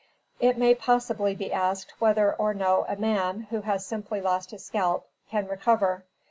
It may possibly be asked whether or no a man, who has simply lost his scalp, can recover.